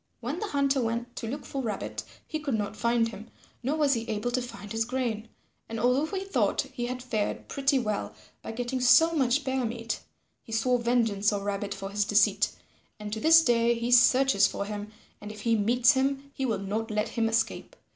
When the Hunter went to look for Rabbit, he could not find him, nor was he able to find his grain. And although he thought he had fared pretty well by getting so much bear meat, he swore vengeance on Rabbit for his deceit, and to this day he searches for him, and if he meets him, he will not let him escape.